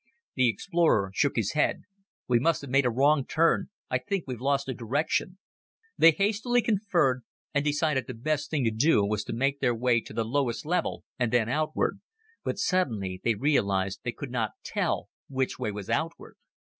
The explorer shook his head. "We must have made a wrong turn. I think we've lost our direction." They hastily conferred, and decided the best thing to do was to make their way to the lowest level and then outward but suddenly they realized they could not tell which way was outward.